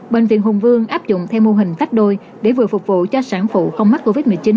bệnh viện hùng vương áp dụng theo mô hình tách đôi để vừa phục vụ cho sản phụ không mắc covid một mươi chín